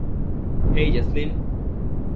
হেই, Josslyn.